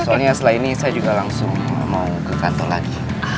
soalnya setelah ini saya juga langsung mau ke kantor lagi